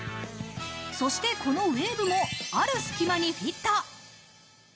そして、このウェーブもある隙間にフィット。